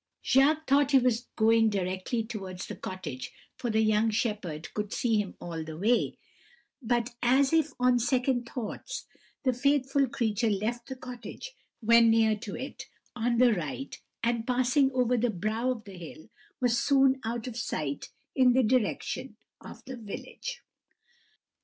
Jacques thought he was going directly towards the cottage, for the young shepherd could see him all the way; but as if on second thoughts, the faithful creature left the cottage, when near to it, on the right, and passing over the brow of the hill, was soon out of sight in the direction of the village.